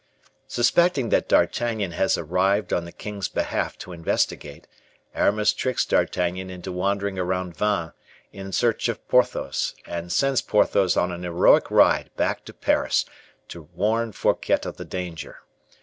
Suspecting that D'Artagnan has arrived on the king's behalf to investigate, Aramis tricks D'Artagnan into wandering around Vannes in search of Porthos, and sends Porthos on an heroic ride back to Paris to warn Fouquet of the danger.